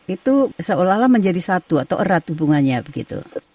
itu seolah olah menjadi satu atau erat hubungannya begitu